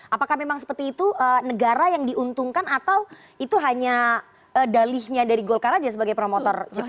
apakah memang seperti itu negara yang diuntungkan atau itu hanya dalihnya dari golkar aja sebagai promotor jepang